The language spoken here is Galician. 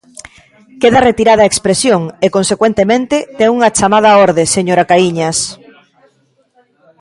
Queda retirada a expresión e, consecuentemente, ten unha chamada á orde, señora Caíñas.